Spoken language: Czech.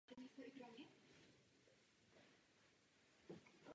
Kritici odst.